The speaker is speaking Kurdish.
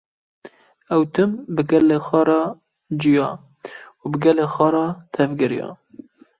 Ew tim bi gelê xwe re jiya û bi gelê xwe re tevgeriya